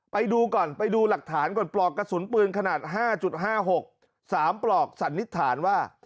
ไปดูก่อนไปดูหลักฐานก่อนปลอกกระสุนปืนขนาด๕๕๖๓ปลอกสันนิษฐานว่า